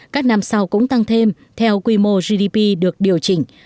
các năm sau cũng tăng thêm theo quy mô gdp được điều chỉnh